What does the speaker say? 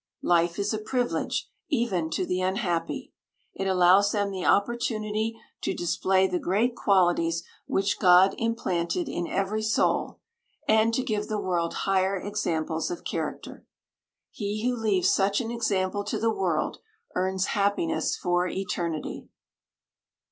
Life is a privilege, even to the unhappy. It allows them the opportunity to display the great qualities which God implanted in every soul, and to give the world higher examples of character. He who leaves such an example to the world earns happiness for eternity.